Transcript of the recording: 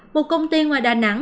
một công ty ngoài đà nẵng